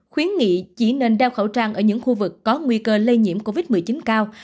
khuyến nghị chỉ nên đeo khẩu trang ở những khu vực có nguy cơ lây nhiễm covid một mươi chín cao